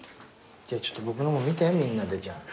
じゃあちょっと僕のも見てみんなでじゃあ。